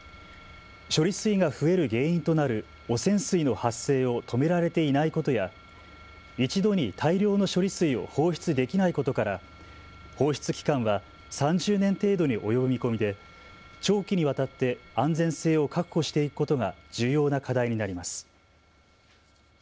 処理水が増える原因となる汚染水の発生を止められていないことや一度に大量の処理水を放出できないことから放出期間は３０年程度に及ぶ見込みで長期にわたって安全性を確保していくことが重要な課題になります。